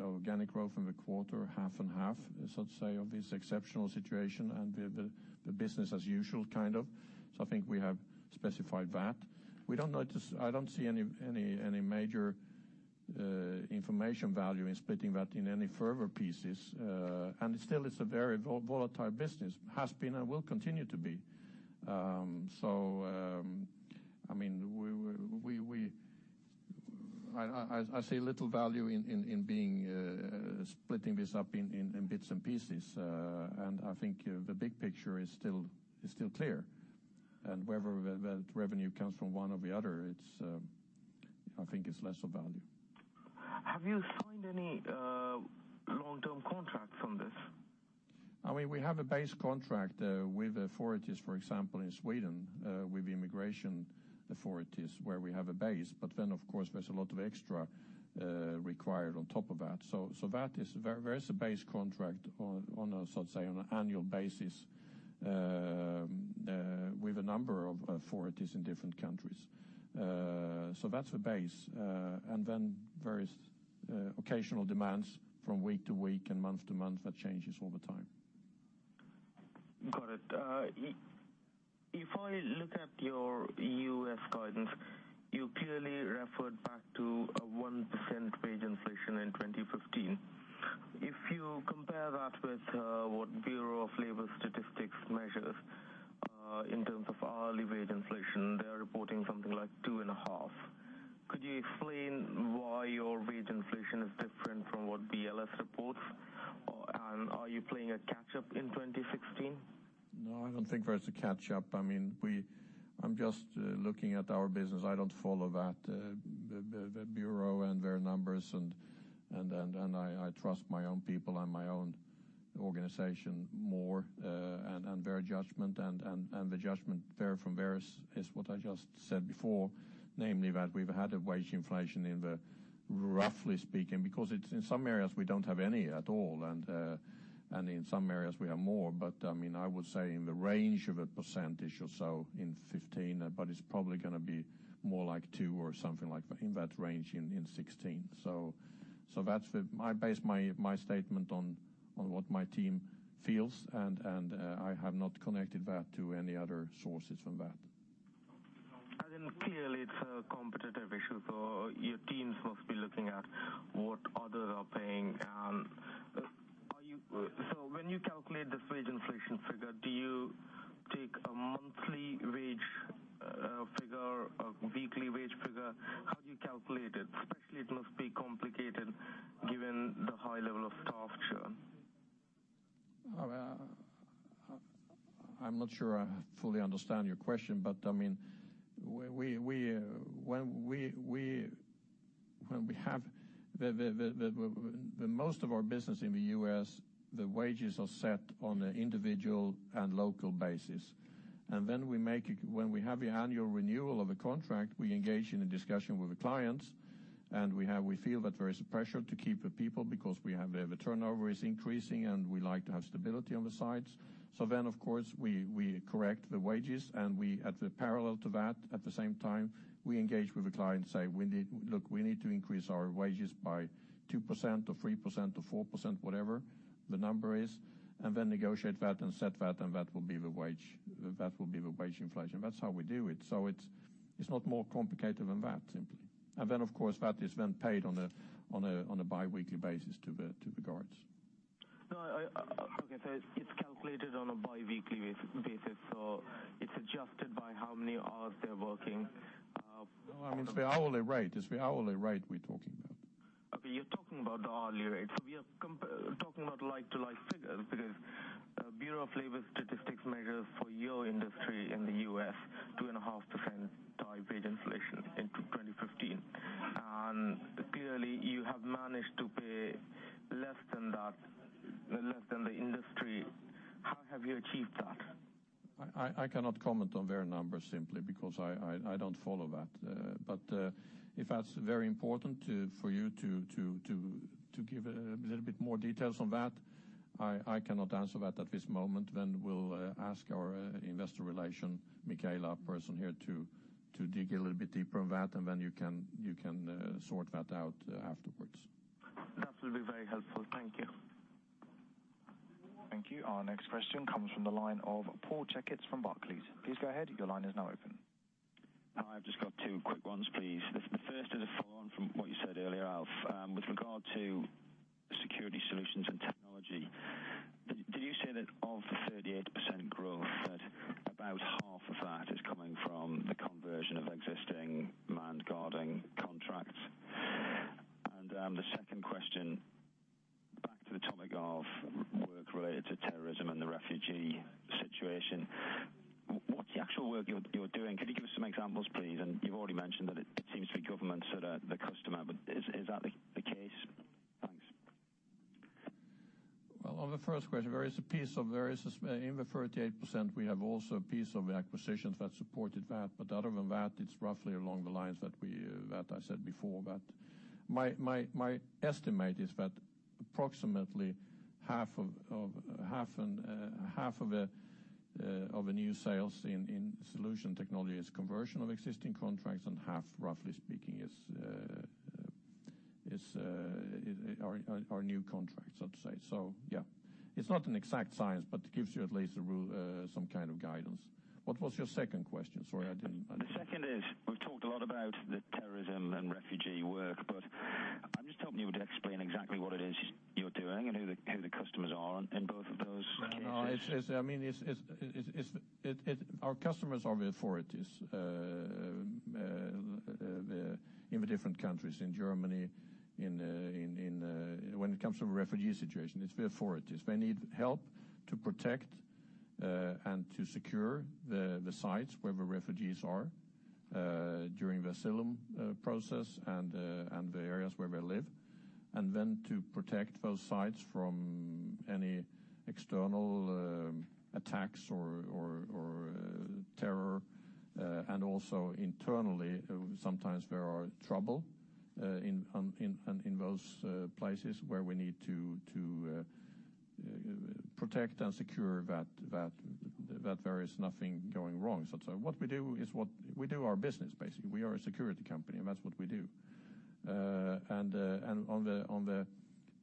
C: organic growth in the quarter, half and half, so to say, of this exceptional situation and the business as usual, kind of. So I think we have specified that. I don't see any major information value in splitting that in any further pieces. And still, it's a very volatile business, has been and will continue to be. So I mean, I see little value in splitting this up in bits and pieces. And I think the big picture is still clear. And whether that revenue comes from one or the other, I think it's less of value.
J: Have you signed any long-term contracts on this?
C: I mean, we have a base contract with authorities, for example, in Sweden with immigration authorities where we have a base. But then, of course, there's a lot of extra required on top of that. So that is a base contract on, so to say, an annual basis with a number of authorities in different countries. So that's the base. And then various occasional demands from week to week and month to month that changes over time.
J: Got it. If I look at your U.S. guidance, you clearly referred back to a 1% wage inflation in 2015. If you compare that with what Bureau of Labor Statistics measures in terms of hourly wage inflation, they're reporting something like 2.5. Could you explain why your wage inflation is different from what BLS reports? And are you playing a catch-up in 2016?
C: No, I don't think there's a catch-up. I mean, I'm just looking at our business. I don't follow that bureau and their numbers. And I trust my own people and my own organization more and their judgment. And the judgment from various is what I just said before, namely that we've had a wage inflation in the roughly speaking because in some areas, we don't have any at all. And in some areas, we have more. But I mean, I would say in the range of 1% or so in 2015, but it's probably going to be more like 2% or something like in that range in 2016. So that's my statement on what my team feels. And I have not connected that to any other sources from that.
J: I didn't feel it's a competitive issue. So your teams must be looking at what others are paying. So when you calculate this wage inflation figure, do you take a monthly wage figure, a weekly wage figure? How do you calculate it? Especially, it must be complicated given the high level of staff churn.
C: I'm not sure I fully understand your question. But I mean, when we have most of our business in the U.S., the wages are set on an individual and local basis. And then when we have the annual renewal of a contract, we engage in a discussion with the clients. And we feel that there is a pressure to keep the people because we have the turnover is increasing, and we like to have stability on the sides. So then, of course, we correct the wages. And at the parallel to that, at the same time, we engage with the clients, say, "Look, we need to increase our wages by 2% or 3% or 4%, whatever the number is," and then negotiate that and set that. And that will be the wage that will be the wage inflation. That's how we do it. It's not more complicated than that, simply. Then, of course, that is then paid on a biweekly basis to the guards.
J: Okay. So it's calculated on a biweekly basis. So it's adjusted by how many hours they're working.
C: No, I mean, it's the hourly rate. It's the hourly rate we're talking about.
J: Okay. You're talking about the hourly rate. So we are talking about like-to-like figures because Bureau of Labor Statistics measures for your industry in the U.S. 2.5% type wage inflation in 2015. And clearly, you have managed to pay less than that, less than the industry. How have you achieved that?
C: I cannot comment on their numbers, simply because I don't follow that. But if that's very important for you to give a little bit more details on that, I cannot answer that at this moment. Then we'll ask our investor relation, Micaela, a person here to dig a little bit deeper on that. And then you can sort that out afterwards.
J: That will be very helpful. Thank you.
A: Thank you. Our next question comes from the line of Paul Checketts from Barclays. Please go ahead. Your line is now open.
K: Hi. I've just got two quick ones, please. The first is a follow-on from what you said earlier, Alf. With regard to security solutions and technology, did you say that of the 38% growth, that about half of that is coming from the conversion of existing manned guarding contracts? And the second question, back to the topic of work related to terrorism and the refugee situation, what's the actual work you're doing? Could you give us some examples, please? And you've already mentioned that it seems to be governments that are the customer. But is that the case? Thanks.
C: Well, on the first question, there is a piece of in the 38%, we have also a piece of acquisitions that supported that. But other than that, it's roughly along the lines that I said before. But my estimate is that approximately half of a new sales in solution technology is conversion of existing contracts. And half, roughly speaking, are new contracts, so to say. So yeah, it's not an exact science, but it gives you at least some kind of guidance. What was your second question? Sorry, I didn't.
K: The second is we've talked a lot about the terrorism and refugee work. But I'm just hoping you would explain exactly what it is you're doing and who the customers are in both of those cases?
C: No, no. I mean, our customers are the authorities in the different countries, in Germany, when it comes to the refugee situation. It's the authorities. They need help to protect and to secure the sites where the refugees are during the asylum process and the areas where they live, and then to protect those sites from any external attacks or terror. And also internally, sometimes there are trouble in those places where we need to protect and secure that there is nothing going wrong, so to say. What we do is what we do our business, basically. We are a security company, and that's what we do. And on the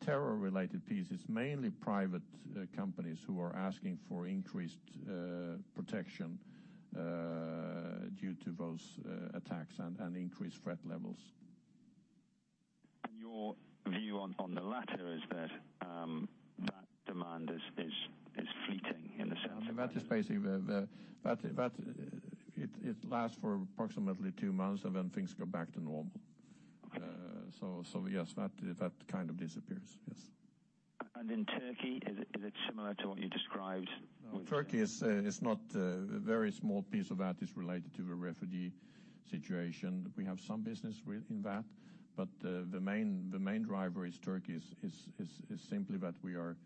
C: terror-related piece, it's mainly private companies who are asking for increased protection due to those attacks and increased threat levels.
K: Your view on the latter is that that demand is fleeting in the sense of.
C: That is basically it lasts for approximately two months, and then things go back to normal. So yes, that kind of disappears, yes.
K: In Turkey, is it similar to what you described with?
C: No, Turkey is not a very small piece of that is related to the refugee situation. We have some business in that. But the main driver is Turkey is simply that we are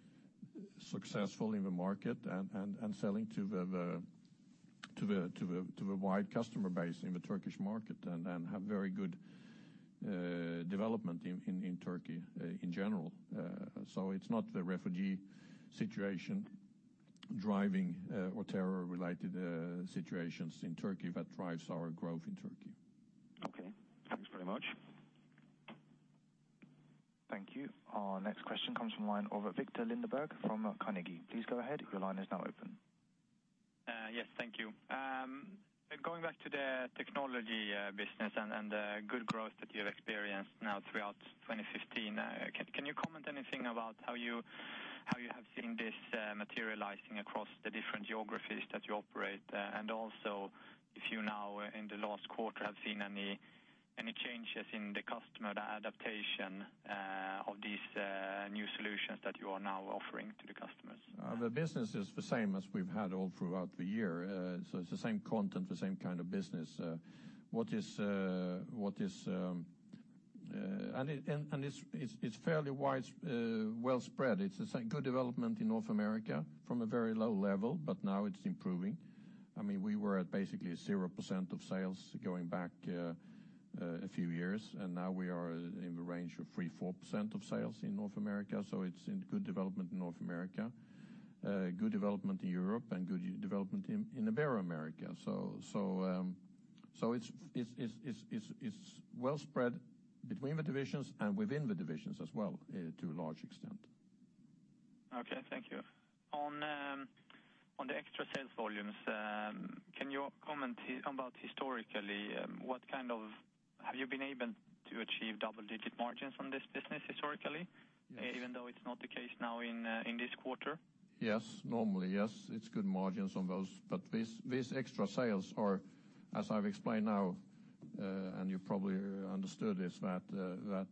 C: successful in the market and selling to the wide customer base in the Turkish market and have very good development in Turkey in general. So it's not the refugee situation driving or terror-related situations in Turkey that drives our growth in Turkey.
K: Okay. Thanks very much.
A: Thank you. Our next question comes from the line of Viktor Lindeberg from Carnegie. Please go ahead. Your line is now open.
L: Yes. Thank you. Going back to the technology business and the good growth that you have experienced now throughout 2015, can you comment anything about how you have seen this materializing across the different geographies that you operate? And also, if you now in the last quarter have seen any changes in the customer adaptation of these new solutions that you are now offering to the customers?
C: The business is the same as we've had all throughout the year. So it's the same content, the same kind of business. What is it, and it's fairly widespread. It's a good development in North America from a very low level, but now it's improving. I mean, we were at basically 0% of sales going back a few years. And now we are in the range of 3%-4% of sales in North America. So it's good development in North America, good development in Europe, and good development in America. So it's well spread between the divisions and within the divisions as well, to a large extent.
L: Okay. Thank you. On the extra sales volumes, can you comment about historically what kind of have you been able to achieve double-digit margins on this business historically, even though it's not the case now in this quarter?
C: Yes. Normally, yes. It's good margins on those. But these extra sales are, as I've explained now, and you probably understood this, that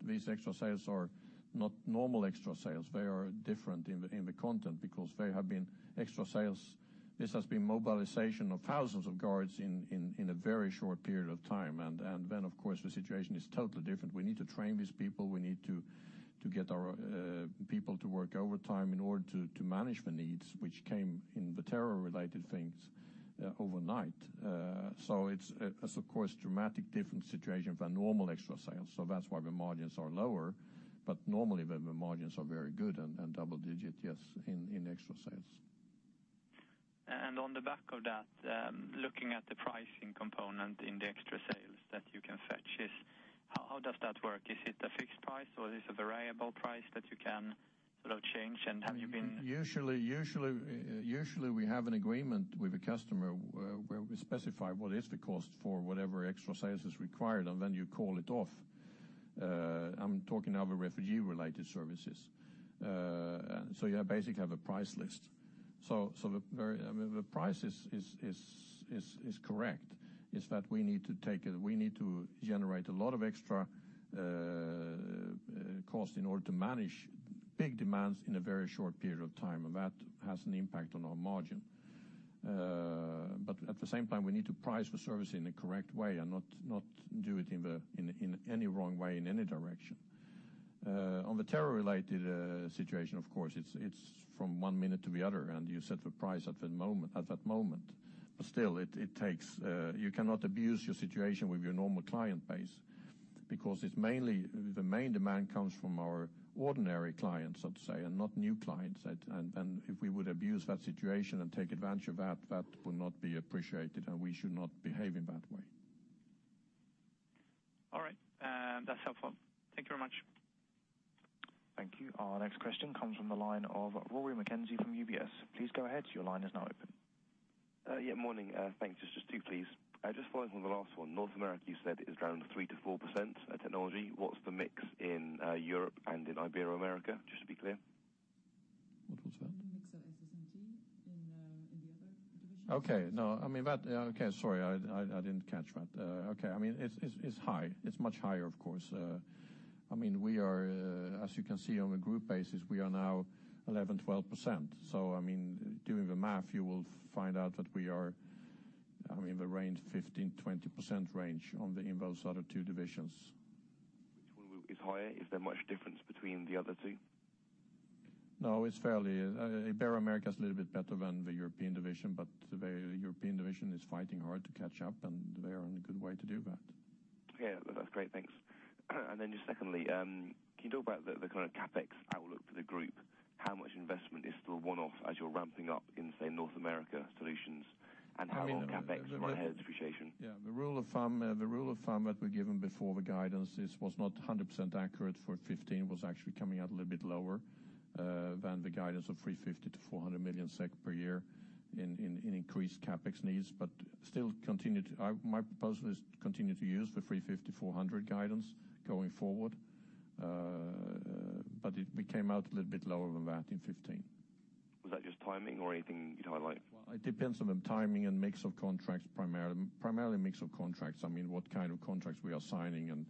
C: these extra sales are not normal extra sales. They are different in the content because they have been extra sales. This has been mobilization of thousands of guards in a very short period of time. And then, of course, the situation is totally different. We need to train these people. We need to get our people to work overtime in order to manage the needs, which came in the terror-related things overnight. So it's, of course, a dramatic different situation than normal extra sales. So that's why the margins are lower. But normally, the margins are very good and double-digit, yes, in extra sales.
L: And on the back of that, looking at the pricing component in the extra sales that you can fetch, how does that work? Is it a fixed price, or is it a variable price that you can sort of change? And have you been.
C: Usually, we have an agreement with a customer where we specify what is the cost for whatever extra sales is required. And then you call it off. I'm talking now about refugee-related services. So you basically have a price list. So the price is correct, is that we need to generate a lot of extra cost in order to manage big demands in a very short period of time. And that has an impact on our margin. But at the same time, we need to price the service in the correct way and not do it in any wrong way in any direction. On the terror-related situation, of course, it's from one minute to the other. And you set the price at that moment. Still, you cannot abuse your situation with your normal client base because the main demand comes from our ordinary clients, so to say, and not new clients. Then if we would abuse that situation and take advantage of that, that would not be appreciated. We should not behave in that way.
L: All right. That's helpful. Thank you very much.
A: Thank you. Our next question comes from the line of Rory McKenzie from UBS. Please go ahead. Your line is now open.
M: Yeah. Morning. Thanks. Just two, please. Just following on the last one. North America, you said, is around 3%-4% technology. What's the mix in Europe and in Ibero-America, just to be clear?
C: What was that?
M: The mix of SS&T in the other division?
C: Sorry, I didn't catch that. Okay. I mean, it's high. It's much higher, of course. I mean, as you can see on a group basis, we are now 11%-12%. So I mean, doing the math, you will find out that we are, I mean, in the range 15%-20% range in those other two divisions.
M: Which one is higher? Is there much difference between the other two?
C: No, it's fairly Ibero-America is a little bit better than the European division. But the European division is fighting hard to catch up. They are on a good way to do that.
M: Yeah. That's great. Thanks. And then just secondly, can you talk about the kind of CAPEX outlook for the group? How much investment is still one-off as you're ramping up in, say, North America solutions? And how long CAPEX is ahead of depreciation?
C: Yeah. The rule of thumb that we gave them before the guidance was not 100% accurate for 2015. It was actually coming out a little bit lower than the guidance of 350 million-400 million SEK per year in increased CAPEX needs. But my proposal is to continue to use the 350 million-400 million guidance going forward. But it came out a little bit lower than that in 2015.
M: Was that just timing or anything you'd highlight?
C: Well, it depends on the timing and mix of contracts, primarily mix of contracts. I mean, what kind of contracts we are signing and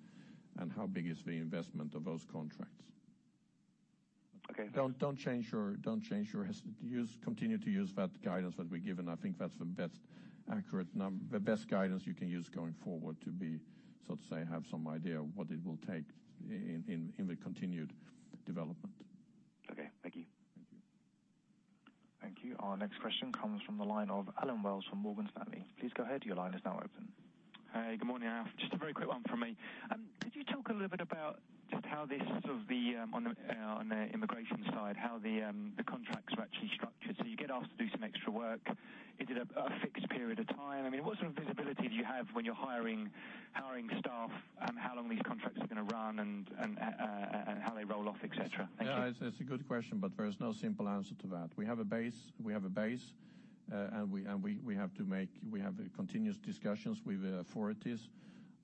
C: how big is the investment of those contracts. Don't change. Continue to use that guidance that we're given. I think that's the best accurate guidance you can use going forward to be, so to say, have some idea of what it will take in the continued development.
M: Okay. Thank you.
C: Thank you.
A: Thank you. Our next question comes from the line of Allen Wells from Morgan Stanley. Please go ahead. Your line is now open.
N: Hey. Good morning, Alf. Just a very quick one from me. Could you talk a little bit about just how this sort of on the immigration side, how the contracts were actually structured? So you get asked to do some extra work. Is it a fixed period of time? I mean, what sort of visibility do you have when you're hiring staff and how long these contracts are going to run and how they roll off, etc.? Thank you.
C: Yeah. It's a good question. But there is no simple answer to that. We have a base. We have a base. And we have continuous discussions with authorities of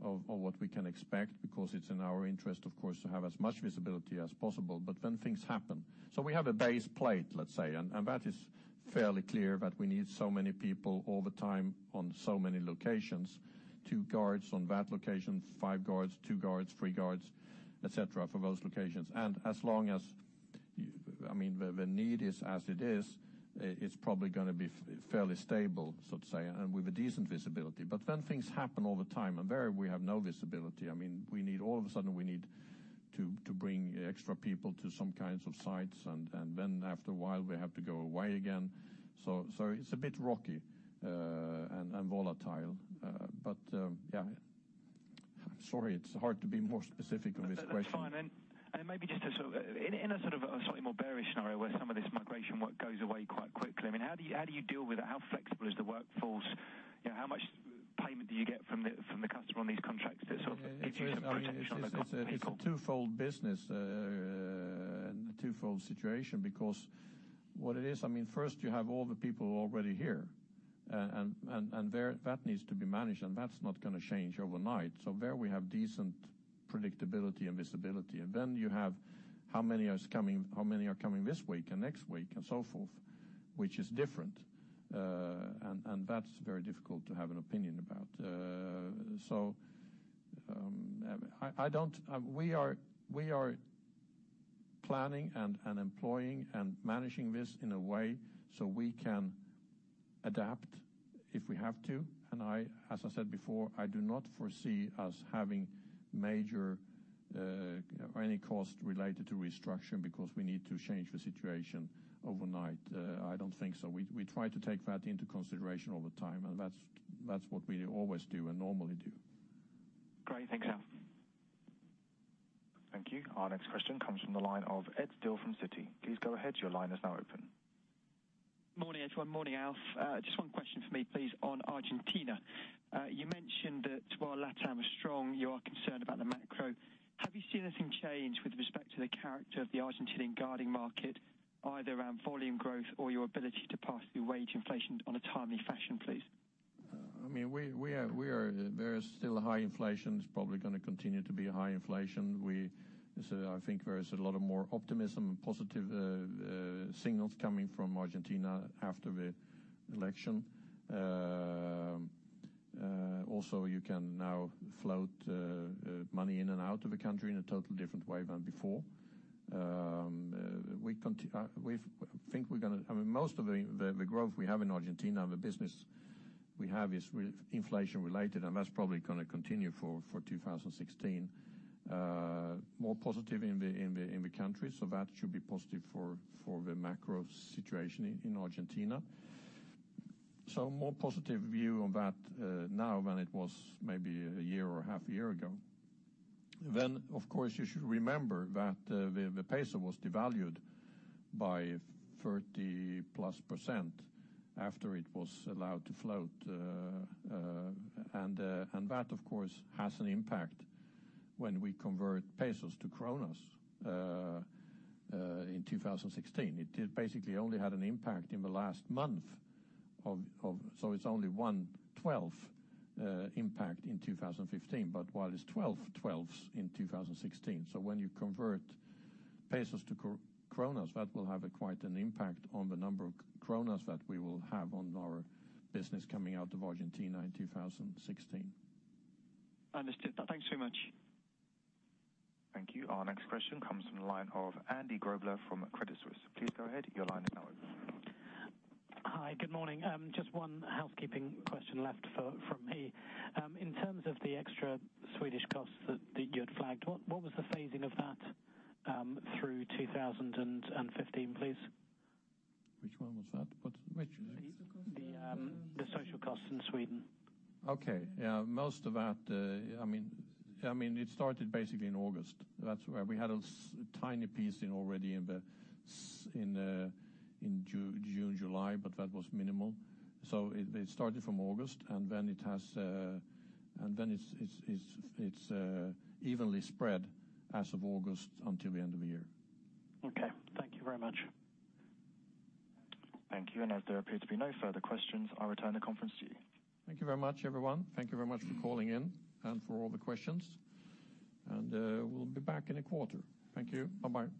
C: what we can expect because it's in our interest, of course, to have as much visibility as possible. But then things happen. So we have a base plate, let's say. And that is fairly clear that we need so many people all the time on so many locations, two guards on that location, five guards, two guards, three guards, etc., for those locations. And as long as I mean, the need is as it is, it's probably going to be fairly stable, so to say, and with a decent visibility. But then things happen all the time. And there, we have no visibility. I mean, all of a sudden, we need to bring extra people to some kinds of sites. And then after a while, we have to go away again. So it's a bit rocky and volatile. But yeah, I'm sorry. It's hard to be more specific on this question.
N: That's fine. Maybe just in a sort of a slightly more bearish scenario where some of this migration work goes away quite quickly, I mean, how do you deal with that? How flexible is the workforce? How much payment do you get from the customer on these contracts that sort of gives you some protection on the people?
C: It's a twofold business and a twofold situation because what it is, I mean, first, you have all the people already here. That needs to be managed. That's not going to change overnight. So there, we have decent predictability and visibility. Then you have how many are coming how many are coming this week and next week and so forth, which is different. That's very difficult to have an opinion about. So we are planning and employing and managing this in a way so we can adapt if we have to. As I said before, I do not foresee us having major or any cost related to restructure because we need to change the situation overnight. I don't think so. We try to take that into consideration all the time. That's what we always do and normally do.
D: Great. Thanks, Alf. Thank you. Our next question comes from the line of Ed Steele from Citi. Please go ahead. Your line is now open.
O: Good morning, everyone. Morning, Alf. Just one question for me, please, on Argentina. You mentioned that while LatAm is strong, you are concerned about the macro. Have you seen anything change with respect to the character of the Argentinian guarding market, either around volume growth or your ability to pass through wage inflation on a timely fashion, please?
C: I mean, there is still a high inflation. It's probably going to continue to be a high inflation. I think there is a lot of more optimism and positive signals coming from Argentina after the election. Also, you can now float money in and out of the country in a totally different way than before. We think we're going to, I mean, most of the growth we have in Argentina and the business we have is inflation-related. And that's probably going to continue for 2016, more positive in the country. So that should be positive for the macro situation in Argentina. So more positive view on that now than it was maybe a year or a half a year ago. Then, of course, you should remember that the peso was devalued by 30%+ after it was allowed to float. And that, of course, has an impact when we convert pesos to kronor in 2016. It basically only had an impact in the last month or so, it's only 1/12 impact in 2015. But while it's 1/12, 12/12ths in 2016. So when you convert pesos to kronor, that will have quite an impact on the number of kronor that we will have on our business coming out of Argentina in 2016.
O: Understood. Thanks very much.
A: Thank you. Our next question comes from the line of Andy Grobler from Credit Suisse. Please go ahead. Your line is now open.
P: Hi. Good morning. Just one housekeeping question left from me. In terms of the extra Swedish costs that you had flagged, what was the phasing of that through 2015, please?
C: Which one was that? Which?
P: The social costs. The social costs in Sweden.
C: Okay. Yeah. Most of that, I mean, it started basically in August. We had a tiny piece already in June, July. But that was minimal. So it started from August. And then it has and then it's evenly spread as of August until the end of the year.
P: Okay. Thank you very much.
A: Thank you. As there appear to be no further questions, I return the conference to you.
C: Thank you very much, everyone. Thank you very much for calling in and for all the questions. We'll be back in a quarter. Thank you. Bye-bye.